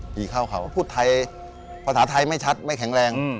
ผีเข้าเขาพูดไทยภาษาไทยไม่ชัดไม่แข็งแรง